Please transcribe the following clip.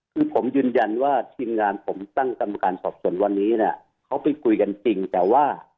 คือผมยืนยันว่าทีมงานผมตั้งกรรมการสอบส่วนวันนี้เนี่ยเขาไปคุยกันจริงแต่ว่า